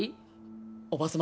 おば様。